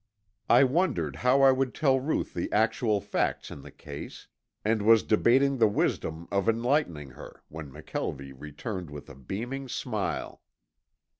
I wondered how I would tell Ruth the actual facts in the case, and was debating the wisdom of enlightening her when McKelvie returned with a beaming smile.